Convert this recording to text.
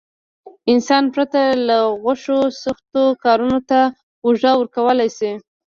انسان پرته له غوښو سختو کارونو ته اوږه ورکولای شي.